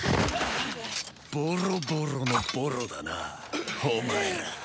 ボロボロのボロだなお前ら。